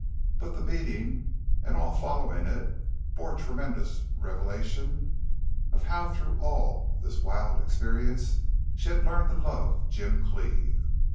But the meeting, and all following it, bore tremendous revelation of how through all this wild experience she had learned to love Jim Cleve.